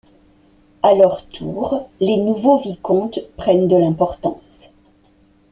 À leur tour, les nouveaux vicomtes prennent de l'importance.